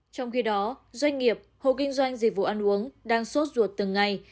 trong khi đó doanh nghiệp hộ kinh doanh dịch vụ ăn uống đang sốt ruột từng ngày